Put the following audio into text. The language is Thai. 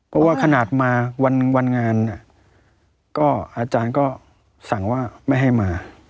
เพราะว่าขนาดมาวันงานเนี่ยก็อาจารย์ก็สั่งว่าไม่ให้มา